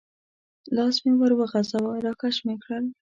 لاس مې ور وغځاوه، را کش مې کړل.